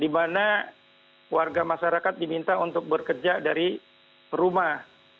di mana warga masyarakat diminta untuk bekerja dari rumah